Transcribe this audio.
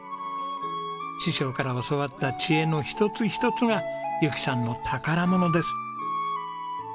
師匠から教わった知恵の一つ一つが由紀さんの宝物です。